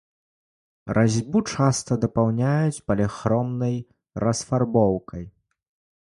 Разьбу часта дапаўняюць паліхромнай расфарбоўкай.